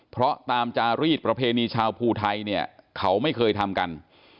เพราะตามจารีสประเพณีชาวภูไทยเนี่ยเขาไม่เคยทำกัน